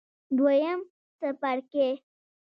دویم څپرکی